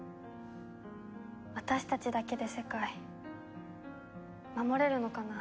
私たちだけで世界守れるのかな。